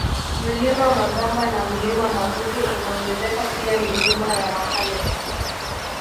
Mlima Magamba na Mlima Maguge inaongezeka pia Milima ya Mahale